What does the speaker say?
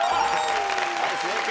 はい正解。